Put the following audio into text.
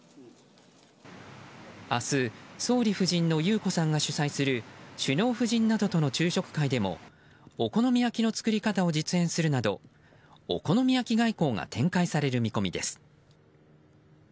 明日、総理府人の裕子さんが主催する首脳夫人などとの昼食会でもお好み焼きの作り方を実現するなどお好み焼き外交が展開される見込みです。